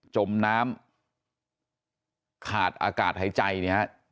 จมน้ำขาดอากาศหายใจเนี่ยฮะ